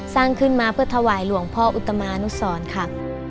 สร้างขึ้นมาเพื่อถวายหลวงพ่ออุตมานุสรค่ะ